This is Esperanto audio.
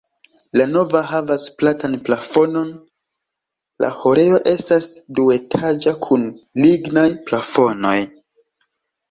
La navo havas platan plafonon, la ĥorejo estas duetaĝa kun lignaj plafonoj.